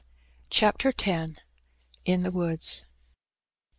CHAPTER X. IN THE WOODS.